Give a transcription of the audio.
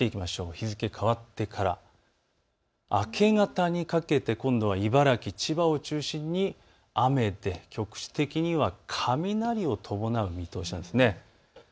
日付変わってから明け方にかけて今度は茨城、千葉を中心に雨で局地的には雷を伴う見通しなんです。